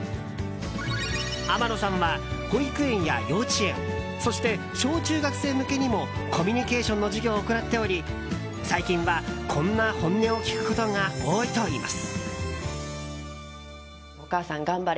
天野さんは、保育園や幼稚園そして小中学生向けにもコミュニケーションの授業を行っており最近は、こんな本音を聞くことが多いといいます。